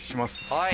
はい。